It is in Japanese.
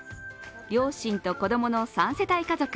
両親と子供の３世代家族。